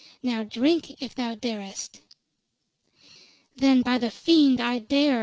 Now drink, if thou darest!" "Then, by the fiend, I dare!"